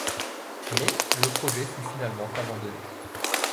Mais le projet fut finalement abandonné.